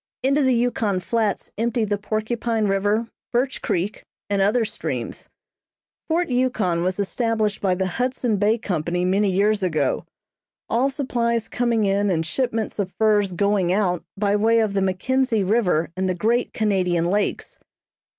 Into the Yukon Flats empty the Porcupine River, Birch Creek and other streams. Fort Yukon was established by the Hudson Bay Company many years ago, all supplies coming in and shipments of furs going out by way of the McKensie River and the great Canadian Lakes.